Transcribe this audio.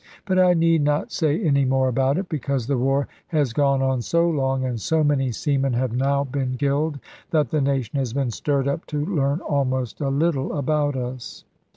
But I need not say any more about it; because the war has gone on so long, and so many seamen have now been killed, that the nation has been stirred up to learn almost a little about us.